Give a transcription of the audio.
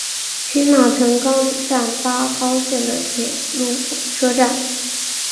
群马藤冈站八高线的铁路车站。